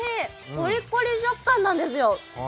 コリコリ食感なんですよ。